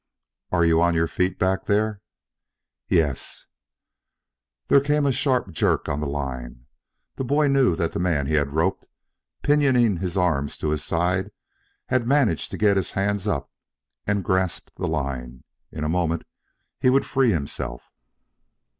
"Are you on your feet back there?" "Y y y yes." There came a sharp jerk on the line. The boy knew that the man he had roped, pinioning his arms to his side had managed to get his hands up and grasped the line. In a moment he would free himself.